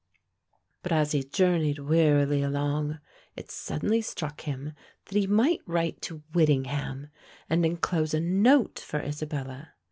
But as he journeyed wearily along, it suddenly struck him that he might write to Whittingham, and enclose a note for Isabella.